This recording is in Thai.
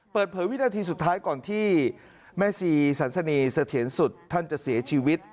เปิดเผยวินาทีสุดท้ายก่อนที่แม่ชีสันสนีเสถียรสุดท่านจะเสียชีวิต